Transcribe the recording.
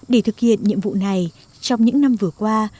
để thực hiện nhiệm vụ này trong những năm vừa qua